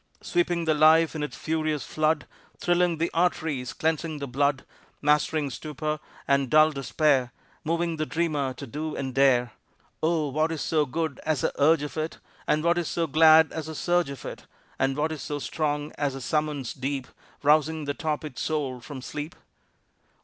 Sweeping the life in its furious flood, Thrilling the arteries, cleansing the blood, Mastering stupor and dull despair, Moving the dreamer to do and dare. Oh, what is so good as the urge of it, And what is so glad as the surge of it, And what is so strong as the summons deep, Rousing the torpid soul from sleep?